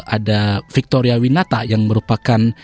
ada victoria winata yang merupakan